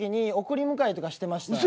送り迎えとかしてました。